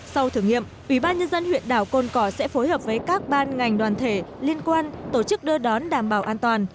sau thử nghiệm ubnd huyện đảo cồn cỏ sẽ phối hợp với các ban ngành đoàn thể liên quan tổ chức đưa đón đảm bảo an toàn